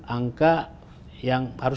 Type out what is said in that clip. angka yang harus